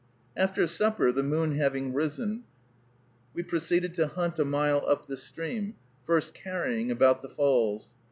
After supper, the moon having risen, we proceeded to hunt a mile up this stream, first "carrying" about the falls.